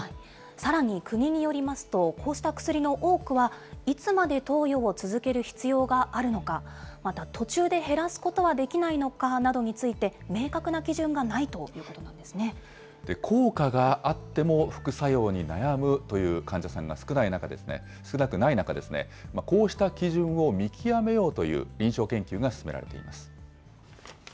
さらに国によりますと、こうした薬の多くは、いつまで投与を続ける必要があるのか、また途中で減らすことはできないのかなどについて、明確な基準が効果があっても、副作用に悩むという患者さんが少なくない中ですね、こうした基準を見極めようという臨床研究が進められています。